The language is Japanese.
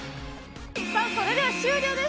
さあ、それでは終了です。